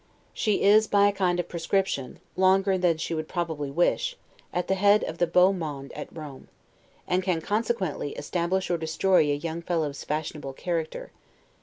She is, by a kind of prescription (longer than she would probably wish), at the head of the 'beau monde' at Rome; and can, consequently, establish or destroy a young fellow's fashionable character.